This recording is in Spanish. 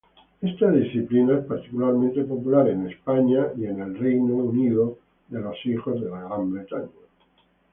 Esta disciplina es particularmente popular en España y el Reino Unido.